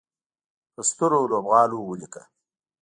په سترو لوبغالو ولیکه